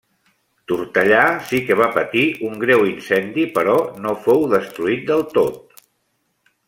Tortellà sí que va patir un greu incendi però no fou destruït del tot.